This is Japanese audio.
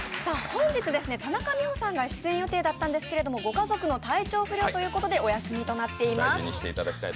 本日田中美保さんが出演予定だったんですがご家族の体調不良ということでお休みとなっています。